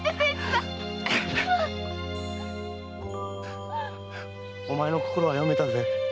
〔お前の心は読めたぜ〕